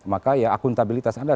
maka ya akuntabilitas anda